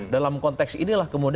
dalam konteks inilah kemudiannya